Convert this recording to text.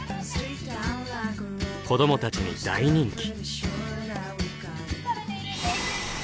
子どもたちに大人気！